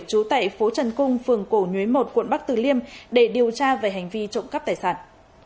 trú tại phố trần cung phường cổ nhuế một quận bắc tử liêm để điều tra về hành vi trộm cắp tài sản